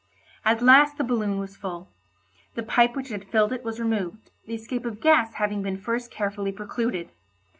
At last the balloon was full; the pipe which had filled it was removed, the escape of the gas having been first carefully precluded.